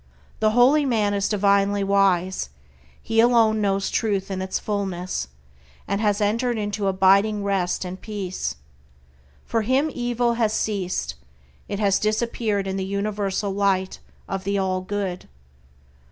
The holy man is divinely wise; he alone knows Truth in its fullness, and has entered into abiding rest and peace. For him evil has ceased; it has disappeared in the universal light of the All Good.